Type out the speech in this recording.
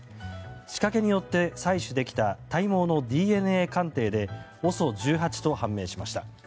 仕掛けによって採取できた体毛のＤＮＡ鑑定でＯＳＯ１８と判明しました。